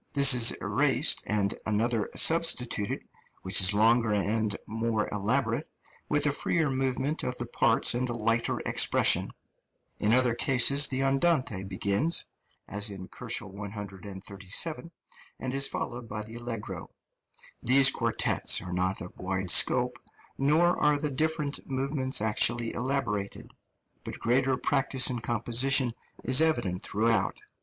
This is erased and another substituted, which is longer and more elaborate, with a freer movement of the parts and a lighter expression. In other cases the andante begins (as in 137 K.), and is followed by the allegro. These quartets are not of wide scope, nor are the different movements actually elaborated, but greater practice in composition is evident throughout.